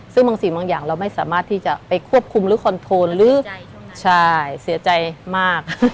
ซึ่งบางสิ่งบางอย่างเราไม่สามารถที่จะไปควบคุมหรือคอนโทรลหรือใช่เสียใจมาก